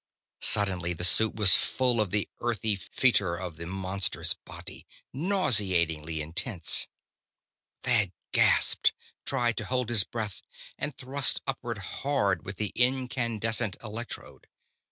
Suddenly the suit was full of the earthy fetor of the monster's body, nauseatingly intense. Thad gasped, tried to hold his breath, and thrust upward hard with the incandescent electrode.